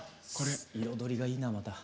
彩りがいいなまた。